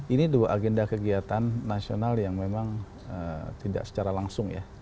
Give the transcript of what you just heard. ini dua agenda kegiatan nasional yang memang tidak secara langsung ya